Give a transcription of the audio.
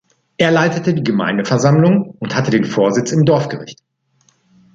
Er leitete die Gemeindeversammlungen und hatte den Vorsitz im Dorfgericht.